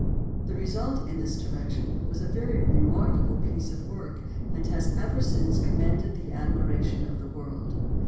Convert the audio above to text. The result in this direction was a very re markable piece of work and has ever since commanded the admiration of the world.